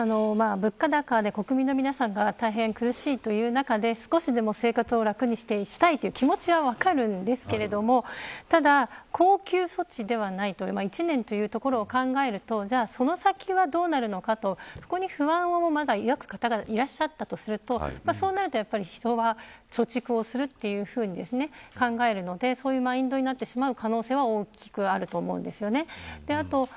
物価高で国民の皆さんが大変苦しいという中で少しでも生活を楽にしたいという気持ちは分かるんですけどただ、恒久措置ではない１年というところを考えるとその先はどうなるのかそこに不安を抱く方がいらっしゃったとすると人は貯蓄をするというふうに考えるので、そういうマインドになる可能性は大きくあると思うんです。